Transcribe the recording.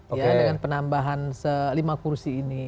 ya dengan penambahan lima kursi ini